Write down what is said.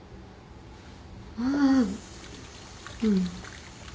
ああうん。